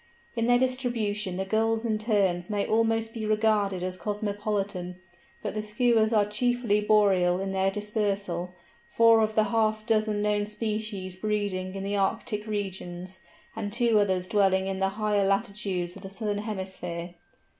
In their distribution the Gulls and Terns may almost be regarded as cosmopolitan, but the Skuas are chiefly boreal in their dispersal, four of the half dozen known species breeding in the Arctic Regions, and two others dwelling in the higher latitudes of the Southern Hemisphere.